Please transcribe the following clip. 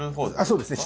そうですね。